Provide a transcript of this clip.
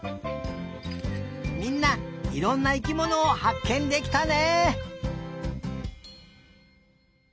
みんないろんな生きものをはっけんできたね！